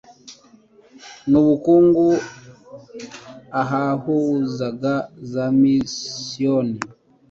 n ubukungu ahahuzaga za misiyoni